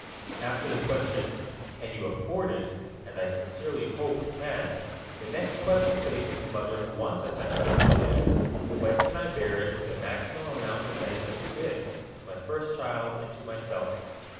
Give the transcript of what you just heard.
After the question, "Can you afford it?" and I sincerely hope you can the next question facing the mother who wants a second child is, "When can I bear it with the maximum amount of benefit to it, to my first child, and to myself?"